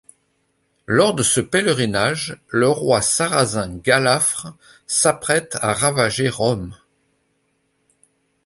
Lors de ce pèlerinage, le roi sarrazin Gallafre s'apprête à ravager Rome.